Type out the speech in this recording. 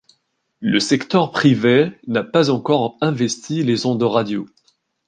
Le secteur privé n’a pas encore investis les ondes radio.